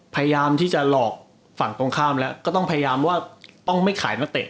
พยายามที่จะหลอกฝั่งตรงข้ามแล้วก็ต้องพยายามว่าต้องไม่ขายนักเตะ